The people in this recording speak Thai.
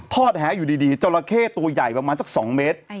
อดแหอยู่ดีจราเข้ตัวใหญ่ประมาณสัก๒เมตร